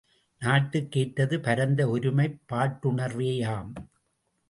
நாட்டுக்கு ஏற்றது பரந்த ஒருமைப் பாட்டுணர்வேயாம்!